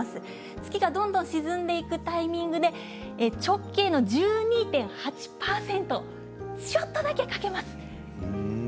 月がどんどん沈んでいくタイミングで直径の１２．８％ちょっとだけ欠けます。